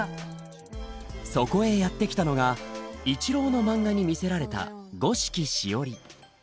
そこへやって来たのが一郎の漫画に魅せられた五色しおり。